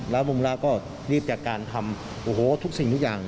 แล้วมุมแรกก็รีบจัดการทำโอ้โหทุกสิ่งทุกอย่าง